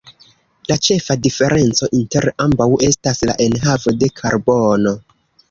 La ĉefa diferenco inter ambaŭ estas la enhavo de karbono.